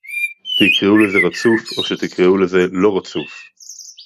"תקראו לזה "רצוף" או שתקראו לזה "לא רצוף"